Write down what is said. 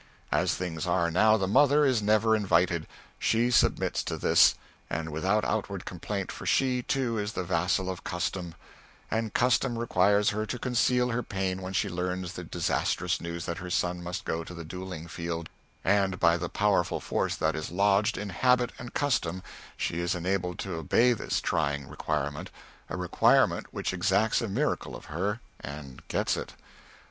As things are now, the mother is never invited. She submits to this; and without outward complaint, for she, too, is the vassal of custom, and custom requires her to conceal her pain when she learns the disastrous news that her son must go to the duelling field, and by the powerful force that is lodged in habit and custom she is enabled to obey this trying requirement a requirement which exacts a miracle of her, and gets it.